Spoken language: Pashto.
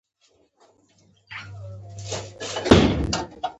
پر اوږه يې وټپولم.